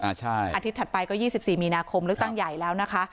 อาทิตย์ถัดไปก็๒๔มีนาคมเลือกตั้งใหญ่แล้วนะคะ